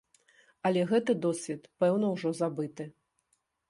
Але гэты досвед, пэўна, ужо забыты.